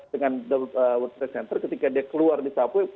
dengan world press center ketika dia keluar di subway